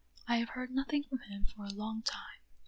I have heard nothing from him for a long time.